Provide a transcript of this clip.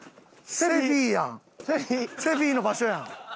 セフィの場所やん。